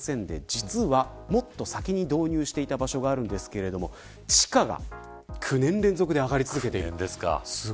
実はもっと先に導入していた場所がありますが地価が９年連続で上がり続けています。